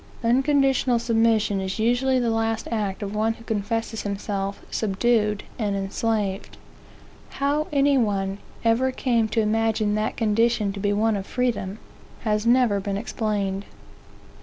Unconditional submission is usually the last act of one who confesses himself subdued and enslaved. How any one ever came to imagine that condition to be one of freedom, has never been explained.